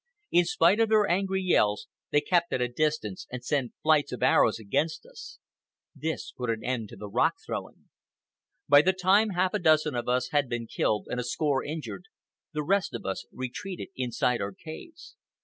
In spite of their angry yells, they kept at a distance and sent flights of arrows against us. This put an end to the rock throwing. By the time half a dozen of us had been killed and a score injured, the rest of us retreated inside our caves.